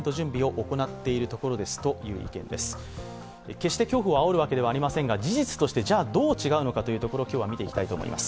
決して恐怖をあおるわけではありませんが、事実として、じゃどう違うのかというところを今日は見ていきたいと思います。